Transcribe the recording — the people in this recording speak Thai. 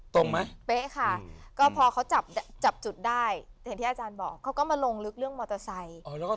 ตรงไหมเป๊ะค่ะก็พอเขาจับจับจุดได้อย่างที่อาจารย์บอกเขาก็มาลงลึกเรื่องมอเตอร์ไซค์